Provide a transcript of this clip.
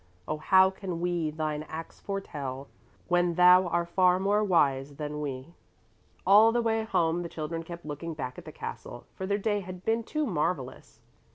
Oh how can we Thine acts foretell, When Thou are far more wise than we? All the way home the children kept looking back at the castle, for their day had been too marvellous.